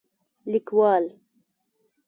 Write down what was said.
لیکوال: